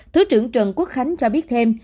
thứ trưởng trần quốc khánh cho biết thêm